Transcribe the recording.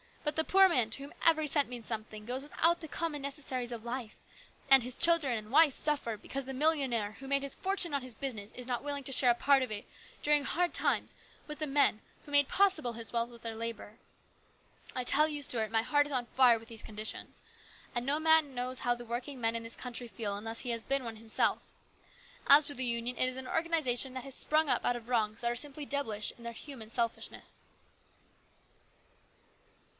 But the poor man, to whom every cent means something, goes LARGE RESPONSIBILITIES. 61 without the common necessaries of life, and his wife and children suffer because the millionaire who made his fortune on his business is not willing to share a part of it during hard times with the men who made possible his wealth with their labour. I tell you, Stuart, my heart is on fire with these conditions, and no man knows how the working men in this country feel unless he has been one himself. As to the Union, it is an organisation that has sprung up out of wrongs that are simply devilish in their human selfishness."